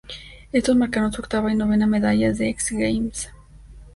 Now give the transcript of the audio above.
Estos marcaron su octava y novena medallas de X Games.